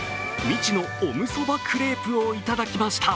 未知のオムそばクレープをいただきました。